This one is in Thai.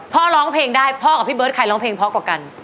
ร้องเพลงได้พ่อกับพี่เบิร์ตใครร้องเพลงเพราะกว่ากัน